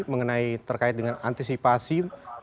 mengenai terkait dengan antisipasi